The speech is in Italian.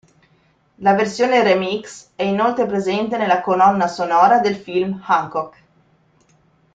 La versione remix è inoltre presente nella colonna sonora del film "Hancock.